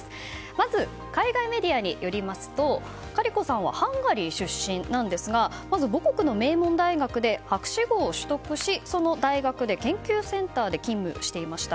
まず、海外メディアによりますとカリコさんはハンガリー出身なんですがまず母国の名門大学で博士号を取得しその大学で研究センターで勤務していました。